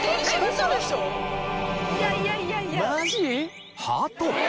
マジ？